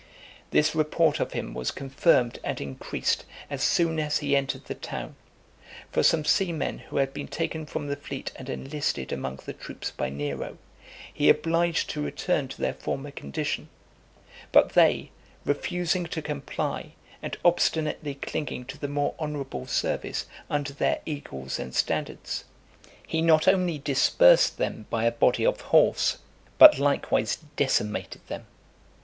This report of him was confirmed and increased, as soon as he entered the town. For some seamen who had been taken from the fleet, and enlisted (409) among the troops by Nero, he obliged to return to their former condition; but they refusing to comply, and obstinately clinging to the more honourable service under their eagles and standards, he not only dispersed them by a body of horse, but likewise decimated them.